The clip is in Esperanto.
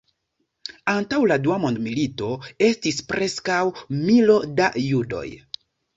Antaŭ la Dua Mondmilito estis preskaŭ milo da judoj.